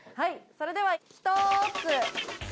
それでは１つ。